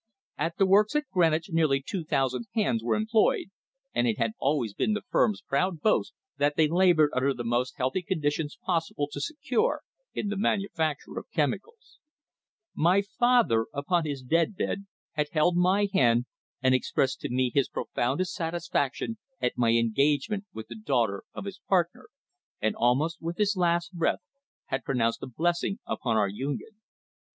At the works at Greenwich nearly two thousand hands were employed, and it had always been the firm's proud boast that they laboured under the most healthy conditions possible to secure in the manufacture of chemicals. My father, upon his deathbed, had held my hand and expressed to me his profoundest satisfaction at my engagement with the daughter of his partner, and almost with his last breath had pronounced a blessing upon our union.